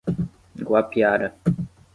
Guapiara